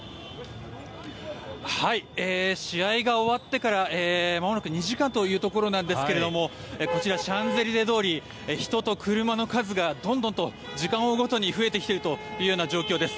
試合が終わってからまもなく２時間というところなんですがこちら、シャンゼリゼ通り人と車の数がどんどんと時間を追うごとに増えてきているという状況です。